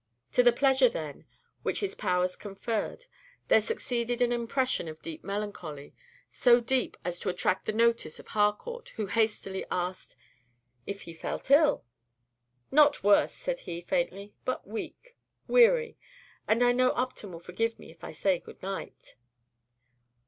To the pleasure, then, which his powers conferred, there succeeded an impression of deep melancholy, so deep as to attract the notice of Harcourt, who hastily asked, "If he felt ill?" "Not worse," said he, faintly, "but weak weary; and I know Upton will forgive me if I say good night."